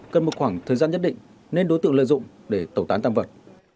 cần một khoảng thời gian nhất định nên đối tượng lợi dụng để tẩu tán tăng vật